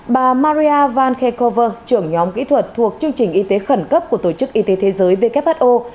bà maria van khekover trưởng nhóm kỹ thuật thuộc chương trình y tế khẩn cấp của tổ chức y tế thế giới who